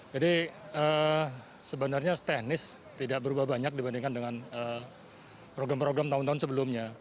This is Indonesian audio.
jadi sebenarnya teknis tidak berubah banyak dibandingkan dengan program program tahun tahun sebelumnya